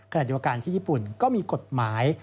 ขณะเดียวกันที่ญี่ปุ่นก็มีกฎหมาย